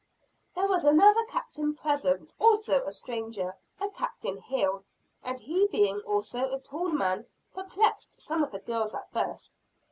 There was another Captain present, also a stranger, a Captain Hill; and he being also a tall man, perplexed some of the girls at first.